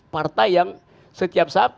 partai yang setiap saat